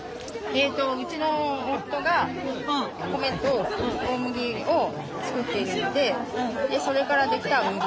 えとうちの夫が米と大麦を作っているのでそれから出来た麦茶。